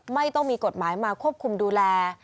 ไม่ต้องมีกฎหมายมาควบคุมดูแล